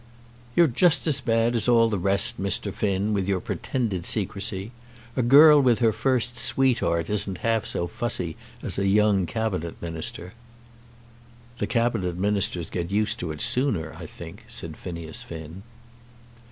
"You're just as bad as all the rest, Mr. Finn, with your pretended secrecy. A girl with her first sweetheart isn't half so fussy as a young Cabinet Minister." "The Cabinet Ministers get used to it sooner, I think," said Phineas Finn.